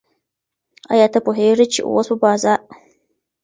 آیا ته پوهېږې چې اوس په زاړه کلي کې څه تېرېږي؟